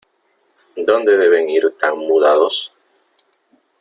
Dónde deben ir tan mudados.